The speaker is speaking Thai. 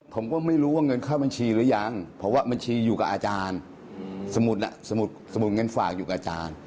สมุดเงินฝากอยู่กับอาจารย์